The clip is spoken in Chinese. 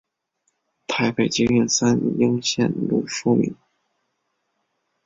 台北捷运三莺线路线说明